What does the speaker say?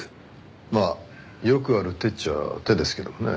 まあよくある手っちゃ手ですけどね。